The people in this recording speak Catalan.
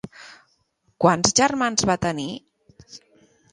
Quants germans va tenir?